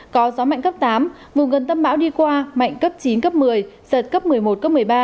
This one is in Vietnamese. có gió mạnh cấp tám vùng gần tâm bão đi qua mạnh cấp chín cấp một mươi giật cấp một mươi một cấp một mươi ba